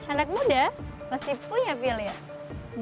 anak muda pasti punya pilihan